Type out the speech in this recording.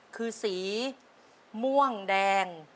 คือสีม่วงแดง